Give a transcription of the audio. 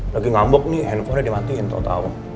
lagi ngambuk nih handphonenya dimatiin tau tau